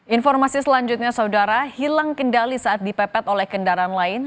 informasi selanjutnya saudara hilang kendali saat dipepet oleh kendaraan lain